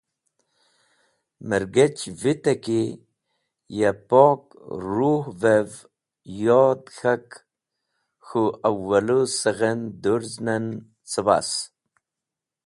Mergech vite ki ya pok ruh’vev yod k̃hak k̃hũ awalũ sighen dũrzn en cẽbas.